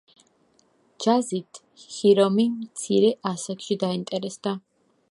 ჯაზით ჰირომი მცირე ასაკში დაინტერესდა.